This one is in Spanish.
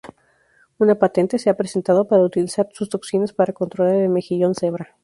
Una patente se ha presentado para utilizar sus toxinas para controlar el mejillón cebra.